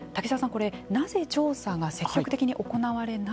これなぜ調査が積極的に行われないんでしょうか。